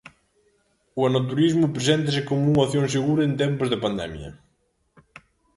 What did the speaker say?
O enoturismo preséntase como unha opción segura en tempos de pandemia.